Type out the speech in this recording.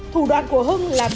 thủ đoàn của hưng là hưng